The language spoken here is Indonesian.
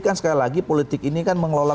kan sekali lagi politik ini kan mengelola